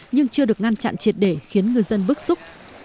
nhưng chưa được ngăn chặn triệt để khiến ngư dân bức xúc